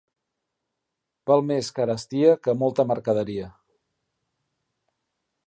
Val més carestia que molta mercaderia.